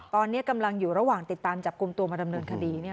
ตอนนี้กำลังอยู่ระหว่างติดตามจับกลุ่มตัวมาดำเนินคดี